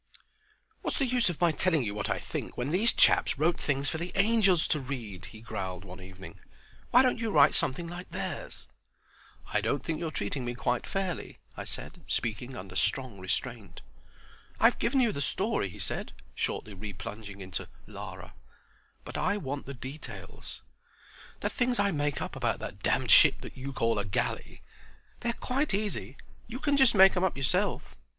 "What's the use of my telling you what I think, when these chaps wrote things for the angels to read?" he growled, one evening. "Why don't you write something like theirs?" "I don't think you're treating me quite fairly," I said, speaking under strong restraint. "I've given you the story," he said, shortly replunging into "Lara." "But I want the details." "The things I make up about that damned ship that you call a galley? They're quite easy. You can just make 'em up yourself.